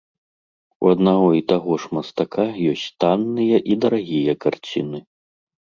У аднаго і таго ж мастака ёсць танныя і дарагія карціны.